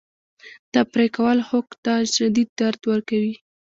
دا پرې کول خوک ته شدید درد ورکوي.